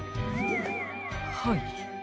はい。